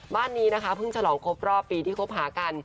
บ้านนี้นะคะเพิ่งฉลองครบรอบปีที่คบหากัน